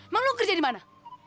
mau kerja di mana